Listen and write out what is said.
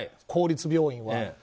公立病院は。